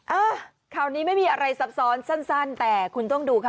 เออข่าวนี้ไม่มีอะไรซับซ้อนสั้นแต่คุณต้องดูค่ะ